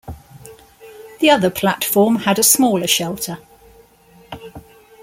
The other platform had a smaller shelter.